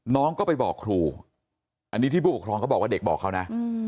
น้องก็ไปบอกครูอันนี้ที่ผู้ปกครองเขาบอกว่าเด็กบอกเขานะ